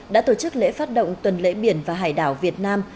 đã tổ chức lễ phát động tuần lễ biển và hải đảo việt nam